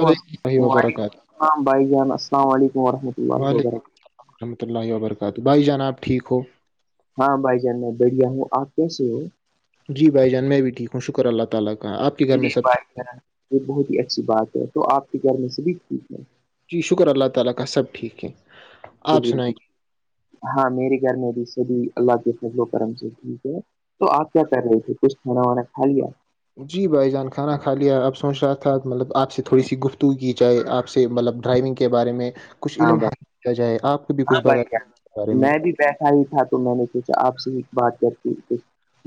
وعلیکم اللہ وعلیکم وبرکاتہ السلام بھائی جان السلام علیکم ورحمۃ اللہ و برکاتہ رحمۃہ اللہ وبرکاتہ بائی جان آب ٹھیک ہو ہاں بھائی جان میں بڑھیا ہوں آپ کیسے ہو [unintelligible] گھر میں چلیے سب بائی ٹھیک ہے یہ بہت ہی اچھی بات ہے تو آپ کے گھر میں سے بھی ٹھیک ہے جی شکر اللہ تعالی کا سب ٹھیک ہیں لی ہاں میرے گھر میں بھی سبھی اللہ کے فضل و کرم سے ٹھیک ہے تو آپ کیا کر رہے تھے کچھ کھانا وانا کھ لیا جی بھائی جان کھانا کھا لیا آپ سوچ رہا تھا مطلب آپ سے تھوڑی سی گفتگ کی چاہے آپ سے مطلب ڈرائیونگ کے بارے میں کچھ ہاں علم بھائی حاصل کیا جائے آپ کو بھی ہاں کچھ بتا بھائی اس کے بارے جان میں بھی بیٹھا ہی تھا تو میں نے سوچا آپ سے ہی بات کر کے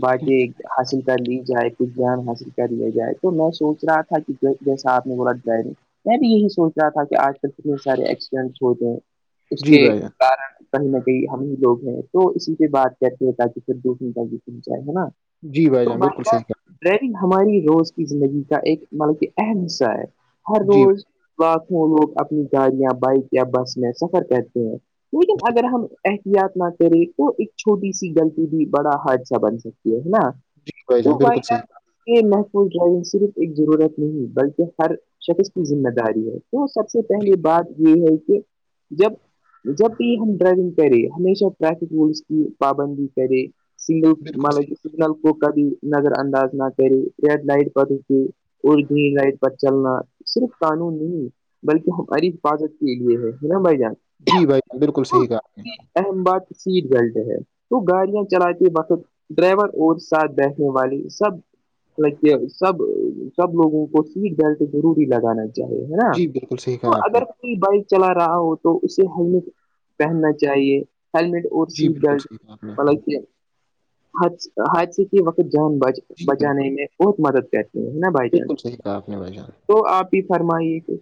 بات یہ حاصل کر لی جائے کچھ جان حاصل کر لیا جائے تو میں سوچ رہا تھا کہ جیسا آپ نے ب ر جائے نہیں میں بھی یہی سوچ رہا تھا کہ آج کل کتنے سارے ایکسیڈنٹس ہوتے ہیں اس جی کے بھائی جان کارن کہیں نہ کہیں ہم ہی لوگ ہیں تو اسی کے بات کہتے تاکہ پھر دوسری تی پچ جائے ہے نا جی بھائی جان بالکل صحیح [unintelligible] ڈونگ ہماری روز کی زندگی کا ایک مطلب کہ اہم حصہ ہے ہر کہا جی روز لوگ اپنی گاڑیاں بائک یا بس میں سفر کرتے ہیں لیکن اگر ہم یات نہ کرے تو ایک چھوٹی سی غلطی بھی بڑا ہاد سا بن سکتی ہے ہے نا جی جان تو بھائی بالکل صحیح یہ محفوظ ڈرائیونگ صرف ایک ضرورت نہیں بلکہ ہر شخص کی ذمہ داری ہے تو سب سے کہا جی پہلی بات یہ ہے کہ جب جب بھی ہم ڈرائیونگ کریں ہمیشہ ٹریفک رولس کی پابندی کرے سنگل بالکل ملب صحیح سگنل کو کبھی نظر انداز نہ کرے ریڈ لائٹ پ اور گرین لائٹ پر چلنا صرف قانون نہیں بلکہ ہماری حفاظت یہے ہے ہے نا بائی جان جی بھائی بالکل صحیح آ ہیں ام باد سیٹ بیلٹ ہے تو گاڑیاں چلاتے وقت ڈرائیور اور ساتھ بیٹھنے والے سب لائک یہ سب سب لوگوں کو سیٹ بیلٹ ضروری لگانا ہے چاہیے نا جی بالکل صحیح تو کہا آپ نے اگر بائک چلا رہا ہو تو اسے ہیلمٹ پہننا چاہیے ہیلمٹ اور جی سی بالکل بیلٹ صحیح کہا آپ نے پل کیا حث حادثے کی وقت جان بچ جی بالکل بچانے میں بہت مدد کرتے ہے نا بائی چانس بالکل صحیح کہا آپ نے بھائی جان تو آپ ہی فرمائیے کہ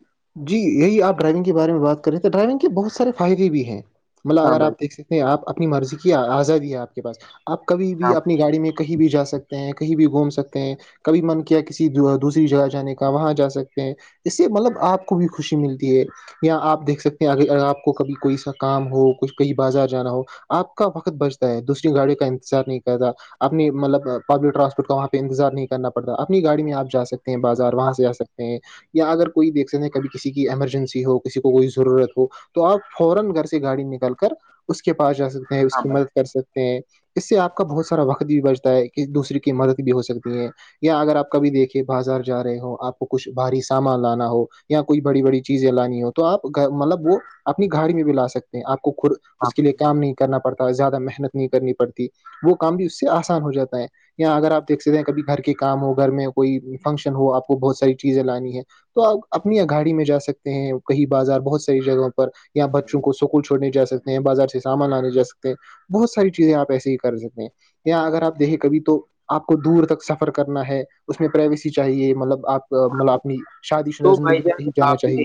جی یہی آپ ڈرائیونگ کے بارے میں بات کریں تو ڈرائیونگ کے بہت سارے فائدے بھی ہیں مطلب ہاں اگر بھائی آپ دیکھ سک آپ اپنی مرضی کی آزاد ہے آپ کے پاس آپ کبھی بھی ہاں بھائی، اپنی گاڑی میں کہیں بھی جا سکتے ہیں کہیں بھی گھوم سکتے ہیں کبھی من کیا کسی دوسری جگہ جانے کا وہاں جا سکتے ہیں اس سے مطلب آپ کو بھی خوشی ملتی ہے یا آپ دیکھ سکتے ہیں آپ کو کبھی کوئی سا کام ہو کچھ کہیں بازار جانا ہو آپ کا وقت بچتا ہے دوسری گاڑی کا انتظار نہیں کرتا اپنی مطلب پبلک ٹرانسپورٹ وہاںہ انتظار نہیں کرنا پڑتا اپنی گاڑی میں آ جا سکتے بازار وہاں سے آا سکتے ہیں یا اگر کوئی دیکھتے ہیں کسی کی ایمرجنسی ہو کسی کو کوئی ضرورت ہو تو اپ فورا گھر سے گاڑی نکال کر اس کے پاس جا سکتے ہیں اس ہاں کی بھائی مدد کر سکتے ہیں اس سے آپ کا بہت سارا وقت بھی بچتا ہے ک دوسرے کی مدد بھی ہو سکتی ہیں یا اگر آپ کبھی دیکھے بازار جا رہے ہو آپ کو کچھ بھاری سامان لانا ہو یا کوئی بڑی بڑی چیزیں لانی ہو تو آپ مطلب وہ اپنی گڑ میں بھی لا سکتے ہیں آپ کو خ ہاں اس کے بھائی۔ لیے کام نہیں کرنا پڑتا زیادہ محنت نہیں کرنی پڑتی وہ کام بھی اس سے آسان ہو جاتا ہے یا اگر آپ دیکھکتے ہیں کبھی گھر کے کام ہو گھر میں کوئی فنکشن ہو آپ کو بہت ساری چیزیں لانی ہے تو آپ اپنی ا گاڑی میں جا سکتے ہیں کہیں بازار بہت ساری جگہوں پر یااں بچوں کو سکول چھوڑنے جا سکتے ہیں بازار سے سامان لانے جا سکتے ہیں بہت ساری چیزیں آپ ایسے ہی کر سکتے ہیں یا اگر آپ دیکھیں کبھی تو آپ کو دور تک سفر کرنا ہے اس میں پرائیویسی چاہیے مطلب آپ مطلب اپنی شادی شدہ تو بھائی زندگی میں جان نہیں جانا آپ نے چاہیے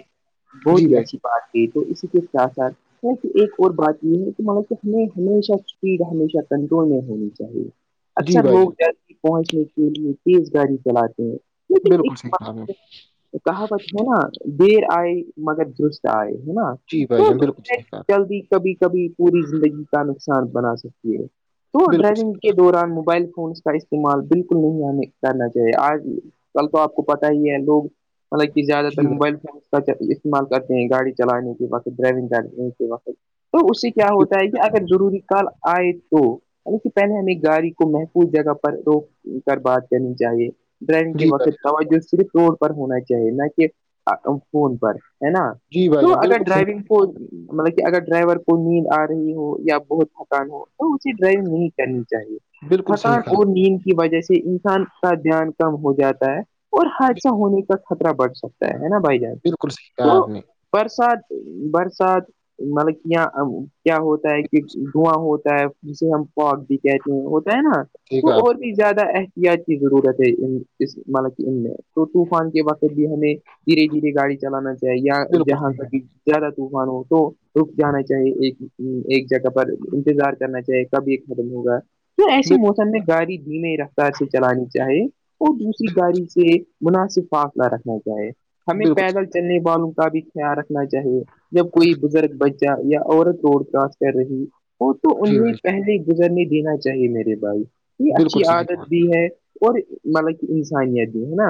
بہت جی ہی بھائی اچھی بات کی تو اسی کے ساتھ ساتھ ایک اور بات یہ ہے کہ کہ ہمیں ہمیشہ اسپیڈ ہمیشہ کنٹرول میں ہونی چاہیے جی اکثر بھائی لوگ جان جلدی پہنچنے کے لیے تیز گاڑی چلاتے ہیں لیکن بالکل صحی ایک کہاوت ہے نا دیر آئے مگر درست آئے ہے نا جی بھائی تو جان بالکل صحیح کہا جلدی کبھی کبھی پوری زندگی کا نقصان بنا سکتی ہے تو بالکل ڈرائیونگ صحیح کہا کے دوران موبائل فونس کا استعمال بالکل نہیں ہمیں کرنا چاہیے آج کل تو آپ کو پتاہ ہی ہے لوگ مطلب کہ زیادہ تر جی بھائی موبائل فون استعمال کرتے گڑ چلانے کے وقت ڈرائیونگ کرنے کے وقت تو اس سے کیا ہوتا ہے کہ اگر ضروری کال آئے تو ہم اس سے پہلے ہمیں گاڑی کو محفوظ جگہ پر روک کر بات کرنی چاہیے ڈرنگ کے جی وقت بھائی توجہ صرف روڈ پر ہونا چاہیے نہ کہ فون پر ہے نا جی بھائی تو جان اگر بالکل صحیح ڈرائیونگ کو مطلب کہ اگر ڈرائیور کو نیند آ رہی ہو یا بہت مکان تو اسی ڈرائیو نہیں کرنی چاہیے بالکل صحیح پتان کہا اور نیند کی وجہ سے انسان کا دھیان کم ہو جاتا ہے اور حادثہ ہونے کا خطہ بڑھ سکتا ہے نا بھائی جان بالکل صح کہا آپ تو نے برسات برسات مطلب کہ کیا ہوتا ہے کہ دھواں ہوتا ہے جسے ہم پوپ بھی کہتے ہیں ہوتا ہے نا ٹھیک تو ہے اور آپ زیادہ احتیاط کی ضرورت ہے اس مطلب تو طوفان کے وقت بھی ہمیں دھیرے دھیرے گاڑی چلانا چاہیے یا بالکل جہاں صحیح تک کہا کہ زیادہ طوفان ہو تو رک جانا چاہیے ایک ہی ایک جگہ پر انتظار کرنا چاہیے کب یہ ختم ہوگا تو ایسی موسم میں گاڑی دھیم رفتار سے چلانی چاہیے اور دوسری گاڑی سے مناسب فاصلہ رکھنا چاہے ہمیں بالکل پیدل چلنے والوں کا بھی خیال رکھنا چاہیے جب کوئی بزرگ بچہ یا عورت روڈ کراس کر رہی وہ تو صحیح جی انہیں بھائی پہلے گزر نہیں دینا چاہیے میرے بھائی یہ بالکل اچھی صحیح کہا عادت بھی ہے اور مطلب کہ انسانیت بھی ہے نا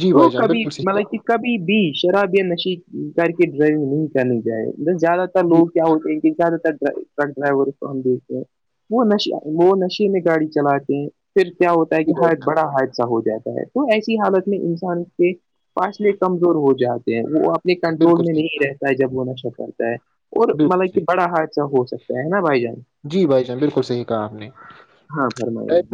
جی تو بھائی جان کبھی بالکل صحیح مطلب کہا کہ کبھی بھی شراب یا نشے کر کے ڈرائیونگ نہیں کرنی چاہے زیادہ تر جی لوگ کیا ہوتے ہیں کہ زیادہ تر ٹک ڈرائیور کو ہم دیکھتے ہیں وہش وہ نشے میں گاڑی چلاتے ہیں پھر کیا ہوتا ہے جی کہ بھائی ہر جان بڑا حادثہ ہو جاتا ہے تو ایسی حالت میں انسان کے فاصلے کمزور ہو جاتے ہیں وہ آپ نے کنٹرول بالکل میں صحیح نہیں کہا رہتا ہے جب وہ نشہ کرتا ہے اور بالکل مطلب کہ صحیح بڑا حادثہ ہو سکتا ہے کہ نا بائی جان جی بھائی جان بالکل صحیح کہا آپ نے ہاں فرمائی آپ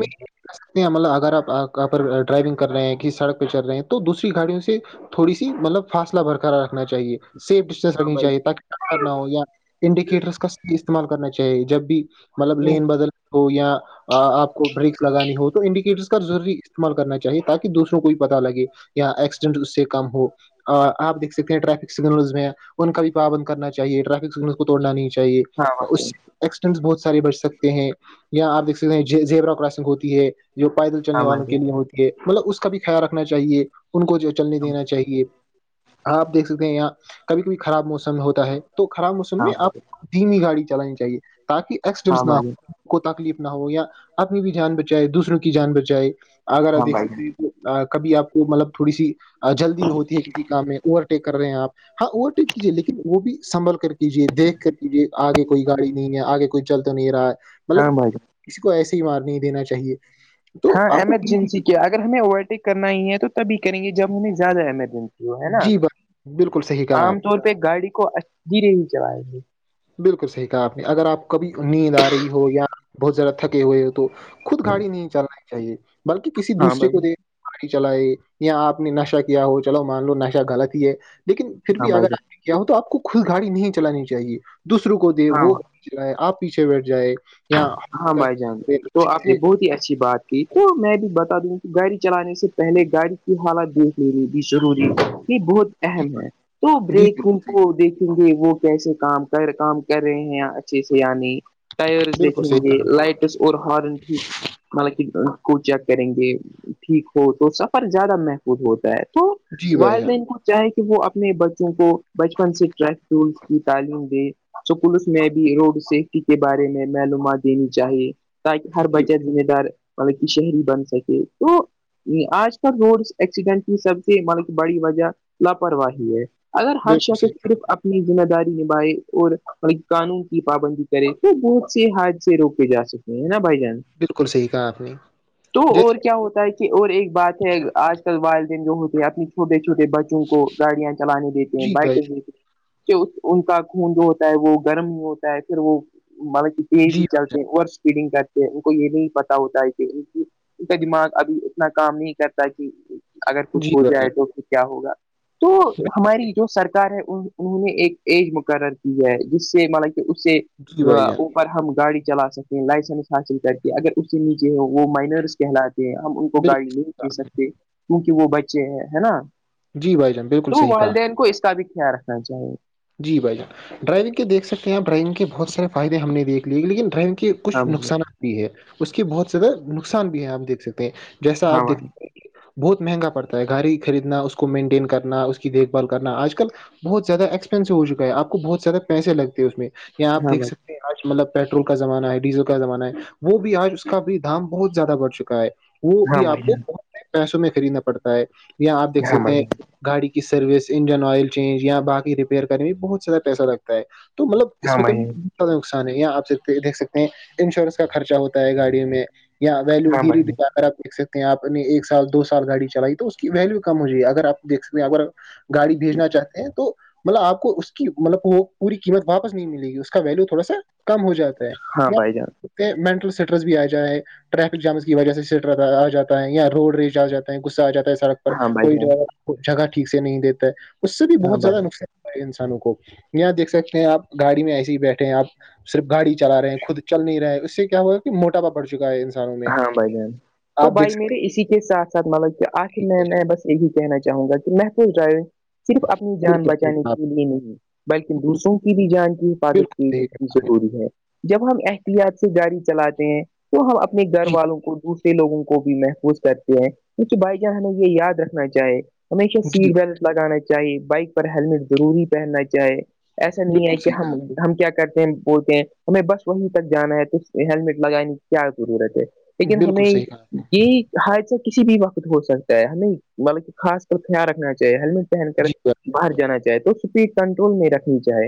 سکتے ہیں مطلب اگر آپ پر ڈرائیونگ کر رہے ہیں کہ سڑک پہ چل رہے ہیں تو دوسری گاڑیوں سے تھوڑی سی مطلب فاصلہ برقرار رکھنا چاہیے سیف ڈسٹینس ہاں رکھنی بھائی چاہیے تاکہ کیا کرنا ہو یا انڈیکیٹرس کا صحیح استعمال کرنا چاہیے جب بھی مطلب لین بدل ہو یا آپ کو بریکس لگانی ہو تو انڈیکیٹرس کا ضروری استعمال کرنا چاہیے تاکہ دوسروں کو بھی پتا لگے یا ایکسیڈنٹ اس سے کم ہو آپ دیکھ سکتے ہیں ٹریفک سگنلز میں ان کا بھی پابند کرنا چاہیے ٹریفک سگنلس کو توڑنا نہیں چاہیے ہاں بہت سے بڑچ سکتے ہیں یا آپ د سک زبرا کراسنگ ہوتی ہے جو پیدل چلنے ہاں والوں بھائی کے لیے ہوتی ہے مطلب اس کا بھی خیال رکھنا چاہیے ان کو جو چلنے دینا چاہیے آپ دیکھ سکتے ہیں یہاں کبھی کبھی خراب موسم ہوتا ہے تو خراب موسم ہاں بھائی میں ہاں آپ بھائی دمی گاڑی چلانی چاہیے تاکہ ہاں ایکسیڈینس نہ ہو بھائی کو تکلیف نہ ہو یا اپنی بھی جان بچائے دوسروں کی جان بچائے اگر آپ ہاں دیکھ بھائی سکتے ہیں تو کبھی آپ کو مطلب تھوڑی سی جلدی ہوتی ہے کسی کام میں اوورٹیک کر رہے ہیں آپ ہاں اوور ٹیک کیجیے لیکن وہ بھی سنبھل کر کیجیے دیکھ کر کیجیے آگے کوئی گاڑی نہیں ہے آگے کچھ چل تو نہیں رہا مطلب ہاں بھائی کسی کو ایسے ہی مار نہیں دینا چاہیے تو ہاں آپ کو ایمرجنسی کیا اگر ہمیں اوورٹیک کرنا ہی ہے تو تبھی کریں گے جب ہمیں زیادہ ایمرجنسی جو ہے نا جی بات بالکل صحیح کہا عام طور پہ گاڑی کو دھیرے ہی چلیں گے بالکل صحیح کہا آپ نے اگر آپ کبھی نیند آ رہی ہو یا بہت زیادہ تھکے ہوئے ہو تو خود گاڑی نہیں چلانی چاہیے بلکہ کسی ہاں دوسرے بھائی کو جان، دیک گاڑی چلائے یا آپ نے نشہ کیا ہو چلو مان لو نشہ غلط ہی ہے لیکن پھر ہاں بھی بھائی اگر جان، آپ نے کیا ہو تو آپ کو خود گاڑی نہیں چلانی چاہے دوسروں کو دے ہاں وہ گڑی آپ پیچھے بیٹھ جائ ہاں بھائی جان تو آپ نے بہت ہی اچھی بات تو میں بھی بتا دوں کہ گاڑی چلانے سے پہلے گاڑی کی حالت دیکھ لیی بھی ضروری بہت اہم ہے تو جی جی بریک ان بالکل صحیح کو دیکھیں گے وہ کیسے کام کر کام کر رہے ہیں اچھے سے یعنی ٹر دیک بالکل یں صحیح گے کہا آپ لائٹس اور ہارن مطلب کہ کو چیک کریں گے ٹھیک ہو تو سفر زیادہ محفوظ ہوتا ہے تو نے۔ جی وائ بھائی جان لن کا چاہے کہ وہ اپنے بچوں کو بچپن سے ٹریفک رولس کی تعلیم دے تو پوس نے بھی روڈ سیفٹی کے بارے میں معلوم دینی چاہیے تاکہ ہر جی بچہ ذمہ دار مطلب کہ شہری بن سکے تو آج کل روڈ ایکسیڈنٹ کی سب سے مل کہ بڑی وجہ لاپرواہی ہے اگر ہر بالکل صحیح شخص کہا صرف اپنی ذمہ داری نبھائے اور قانون کی پابندی کرے تو بہت سے سے روک کے جا سکتے ہیں نا بھائی جان بالکل صحیح کہا آپ نے تو اور جیسے کیا ہوتا ہے کہ اور ایک بات ہے آج کل والدین جو ہوتے ہیں اپنی چھوٹے چھوٹے بچے بچوں کو گاڑیاں چلانے دیتے ہیں جی بھائی بائکر کہ ان کا خون جو ہوتا ہے وہ گرم نہیں ہوتا ہے پھر وہ مطلب کہ تیز جی بھائی چلتے ہیں اوور اسپیڈنگ کرتے ہیں ان کو یہ نہیں پتا ہوتا ہے کہ ان کی ان کا دماغ ابھی اتنا کام نہیں کرتا کہ اگر جان کچھ جی ہو بھائی جائے توھر کیا ہوگا تو ہماری جان جو سرکار ہے ان انہوں نے ایک ایج مقرر کی ہے جس سے مطلب کہ اس سے جی بھائی جان اوپر ہم گاڑی چلا سکتے ہیں لائسنس حاصل کر کے اگر اس سے نیچے ہو وہ مائنرس کہلات ہم ان کو گاڑی نہیں بالکل دے سکتے کیونکہ وہ بچے ہیں ہے نا جی بھائی جان بالکل تو صحیح کہا والدین کو اس کا بھی خیال رکھنا چاہیے جی بھائیان ڈائیونگ کےیک سکتے ہیں آ ڈرائیونگ کے بہت سارے فائدے ہم نے دھ لیے لیکن ڈرائیونگ کے ہاں کچھ بھائی نقصانات بھی ہے اس کے بہت زیادہ نقصان بھی ہیں آپ دیکھ سکتے ہیں جیسا ہاں آپ دیکھ بھائی سکتے ہیں بہت مہنگا پڑتا ہے گاڑی خریدنا اس کو مینٹین کرنا اس کی دیکھ بھال کرنا آج کل بہت زیادہ ایکسپینسو ہو چکا ہے آ کو بہت زیادہ پیسے لگتے ہیں میں یہ ہاں آپیکھ بھائی سکتے آج مطلب پیٹرول کا زمانہ ہے ڈیزل کا زمانہ ہے وہ بھی آج اس کا بھی دام بہت زیادہ بڑ چکا ہے وہ ہاں بھی بھائی آپ کو جان بہت پیسوں میں خریدنا پڑتا ہے یا آپ دیکھ ہاں سکتے بھائی ہیں جان گاڑی کی سروس انجن آئلینج یا بای ریپیئر کرنے میں بہت سدا پیسہ لگتا ہے تو مطلب ہاں اس میں بھائی کبھی نقصان ہے یہاں آپیک دیکھ سکتے ہیں انشورینس کا خرچہ ہوتا ہے گاڑیوں میں اں ویلو ہاں دھیرری بھائی جا کر آ دیکھ سک آپ نے ایک سال دو سال گاڑی چلائی تو اس کی ویلو کم ہو جائے اگرپ دیک سکتے ہیں اگر گاڑی بھیجنا چاہتے ہیں تو مطلب آپ کو اس کی مطلب وہ پوری قیمت واپس نہیں ملے گی اس کا ویلو تھوڑا سا کم ہو جاتا ہے ہاں بھائی جان مینٹل اسٹریس بھی آ جائےائے ٹریفک جامس کی وجہ سے سٹ آ جاتا ہے یا روڈ ریج آ جاتا ہے غصہ آاتا ہے سڑک ہاں بھائی کوئی جان جگہ ٹھیک سے نہیں دیتا ہے اس سے بھی ہاں بہت بھائی زیادہ نقصان ہو انسانوں کو یہاں دھ سکتے ہیں آپ گاڑی میں ایسے ہی بیٹھے ہیں آپ صرف گاڑی چلا رہے ہیں خود چل نہیں رہے ہیں اس سے کیا ہوا موٹاپا پڑ چکا ہے انسانوں میں ہاں بھائی جان تو آپ دیکھ بھائی سکتے اسی کے ساتھ ھ مطلب کہ آخ میں ہیں میں بس یہی کہنا چاہوں گا کہ محفوظ ڈرائیونگ صرف اپنی جان بالکل صحیح بچانے کہا آپ کے لیے نہیں بلکن نے، دوسروں کی بھی جان کی حفاظت بالکل صحیح کہا. کی ضروری ہے جب ہم احتیاط سے گاڑی چلاتے ہیں تو ہم اپنے گھر جی والوں کو دوسرے لوگوں کو بھی محفوظ کرتے ہیں کیونکہ بھائی جان ہمیں یہ یاد رکھنا چاہے ہمیشہ جی سیٹ بیلٹ لگانا چاہیے بائک پر ہیللمٹ ضروری پہننا چاہے ایسا نہیں ہے بالکل کہ صحیح کہا ہم آپ نے ہم کیا کرتے ہیں بولتے ہیں ہمیں بس وہیں تک جانا ہے تو ہیللمٹ لگانے کی کیا ضرورت ہے لیکن بالکل ہمیں صحیح کہا آپ یہ حادث سے کسی بھی وقت ہو سکتا ہے ہم نہیں مطلب کہ خاص کر خیال رکھنا چاہیے ہیللمٹ پہن کر نے باہر جانا چاہے تو اسپیڈ کنٹرول نہیں رکھنی چاہے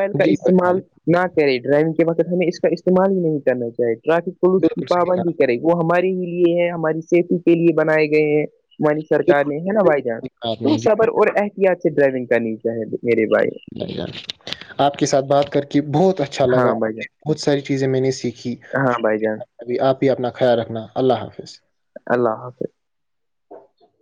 جی بھائی- کا جی بھائی استعمال جان، نہ کرے ڈرائیونگ کے وقت ہمیں اس کا استعمال ہی نہیں کرنا چاہیے ٹریفک پولیس کی بالکل صحیح کہا پابندی کرے وہ ہمارے ہی لیے ہے ہماری سیفٹی کے لیے بنائے گئے ہیں نی سرکار بالکل بالکل نے ہے نا بھائی جان صحیح کہا آپ نے تو جی صبر اور احتیاط سے ڈرائیونگ کرنی چاہے میرے بھائی ج گ [inaudible] آپ کے ساتھ بات کر کے بہت اچھا لگا ہاں بھائی جان بہت ساری چیزیں میں نے سیکھی ہاں بائی چانس ابھی آپ ہی اپنا خیال رکھنا اللہ حافظ اللہ حافظ